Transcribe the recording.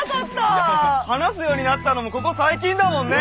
話すようになったのもここ最近だもんね。ね